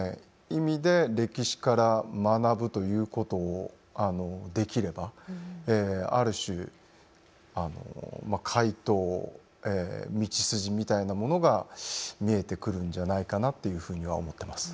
意味で歴史から学ぶということをできればある種解答道筋みたいなものが見えてくるんじゃないかなっていうふうには思ってます。